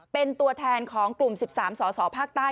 เป็นตัวแทนของกลุ่ม๑๓สสภาคใต้